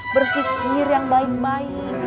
berpikir yang baik baik